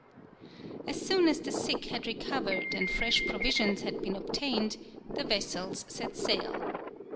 As soon as the sick had recovered and fresh provisions had been obtained the vessels set sail.